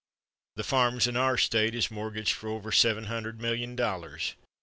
The farms in our State is mortgaged for over seven hundred million dollars.